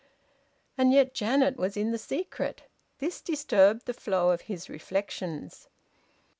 (And yet Janet was in the secret! This disturbed the flow of his reflections.)